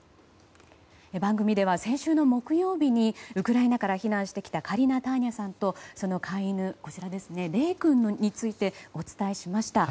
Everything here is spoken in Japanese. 番組では先週の木曜日にウクライナから避難してきたカリナ・ターニャさんとその飼い犬、レイ君についてお伝えしました。